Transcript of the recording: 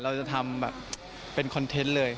เราจะทำแบบเป็นคอนเทนต์เลย